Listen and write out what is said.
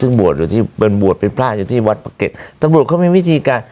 ซึ่งบูตเป็นบูตปิดพลาดอยู่ที่วัดประเกษแต่บูตเขามีวิธีการ